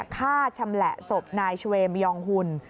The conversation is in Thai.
ฆ่าชำแหละศพนายเชมยองหุ่น